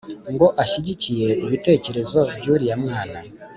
ngo ashyigikiye ibitekerezo byuriya mwana